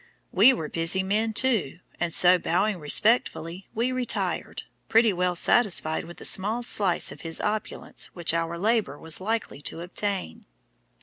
We were busy men, too, and so bowing respectfully, we retired, pretty well satisfied with the small slice of his opulence which our labour was likely to obtain.